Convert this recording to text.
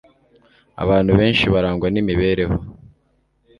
Abantu benshi barangwa n’imibereho